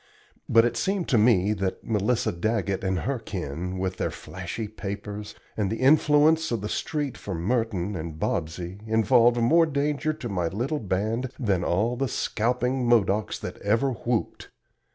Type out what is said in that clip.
But it seemed to me that Melissa Daggett and her kin with their flashy papers, and the influence of the street for Merton and Bobsey, involved more danger to my little band than all the scalping Modocs that ever whooped.